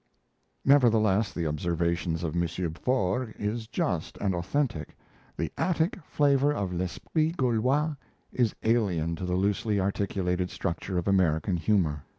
Nevertheless, the observation of M. Forgues is just and authentic the Attic flavour of l'esprit Gaulois is alien to the loosely articulated structure of American humour.